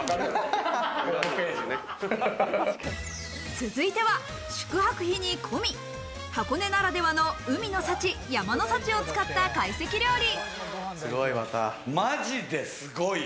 続いては宿泊費に込み、箱根ならではの海の幸、山の幸を使った会席料理。